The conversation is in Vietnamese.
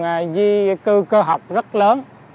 lượng di cư cơ học rất lớn